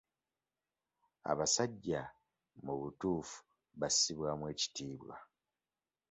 Abasajja mu butuufu bassibwamu ekitiibwa.